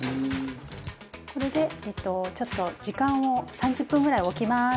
これでちょっと時間を３０分ぐらい置きます。